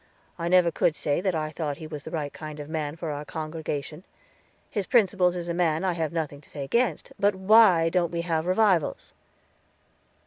I never could say that I thought he was the right kind of man for our congregation; his principals as a man I have nothing to say against; but why don't we have revivals?"